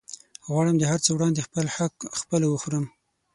غواړم د هرڅه وړاندې خپل حق خپله وخورم